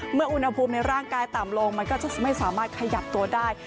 อุณหภูมิในร่างกายต่ำลงมันก็จะไม่สามารถขยับตัวได้